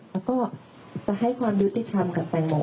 แล้วก็จะให้ความยุติธรรมกับแตงโม